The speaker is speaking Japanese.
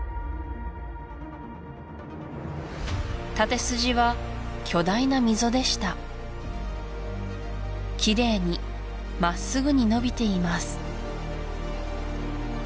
縦筋は巨大な溝でしたきれいにまっすぐに伸びています